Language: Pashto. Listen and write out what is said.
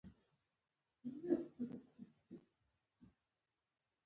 د انټرنېټ سوداګر بايد په کور کې د زدهکړو پوره ملاتړ وکړي.